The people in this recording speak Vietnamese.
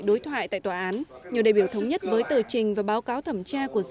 đối thoại nêu trên để thống nhất trong thực hiện và bảo đảm tính khả năng